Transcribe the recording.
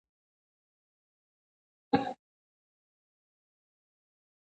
افغانان په مېړانه، سخاوت او بې ساري مېلمه پالنه کې نړیوال شهرت لري.